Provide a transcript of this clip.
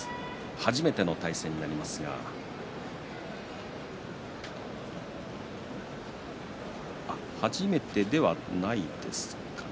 初めての対戦になりますが初めてではないですかね。